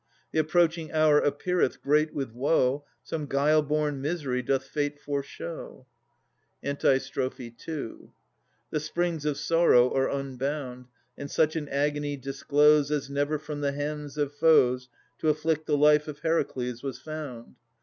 The approaching hour appeareth great with woe: Some guile born misery doth Fate foreshow. The springs of sorrow are unbound, II 2 And such an agony disclose, As never from the hands of foes To afflict the life of Heracles was found.